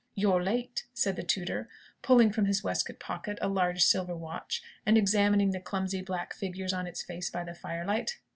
"You're late," said the tutor, pulling from his waistcoat pocket a large silver watch, and examining the clumsy black figures on its face by the firelight.